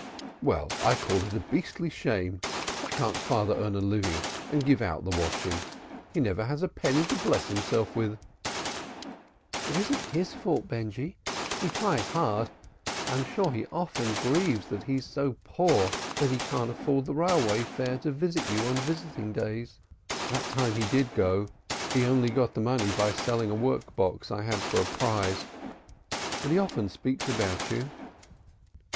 "Well, I call it a beastly shame. Why can't father earn a living and give out the washing? He never has a penny to bless himself with." "It isn't his fault, Benjy. He tries hard. I'm sure he often grieves that he's so poor that he can't afford the railway fare to visit you on visiting days. That time he did go he only got the money by selling a work box I had for a prize. But he often speaks about you."